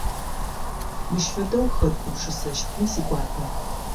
Мыщ фэдэу хэт гупшысэщтми сигуапэ.